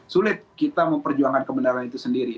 sulit kita memperjuangkan kebenaran itu sendiri